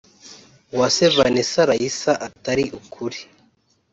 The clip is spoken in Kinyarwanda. Uwase Vanessa Raissa atari ukuri